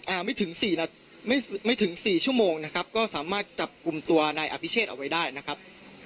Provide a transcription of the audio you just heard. ไม่ถึงสี่นาทีไม่ไม่ถึงสี่ชั่วโมงนะครับก็สามารถจับกลุ่มตัวนายอภิเชษเอาไว้ได้นะครับ